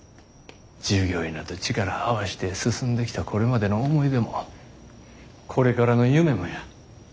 従業員らと力合わして進んできたこれまでの思い出もこれからの夢もや。